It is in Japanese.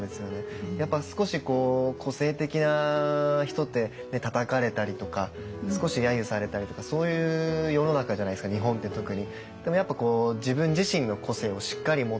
やっぱ少し個性的な人ってたたかれたりとか少し揶揄されたりとかそういう世の中じゃないですか日本って特に。